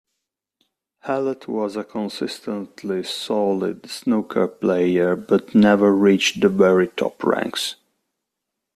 Hallett was a consistently solid snooker player, but never reached the very top ranks.